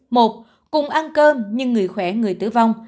một cùng ăn cơm nhưng người khỏe người tử vong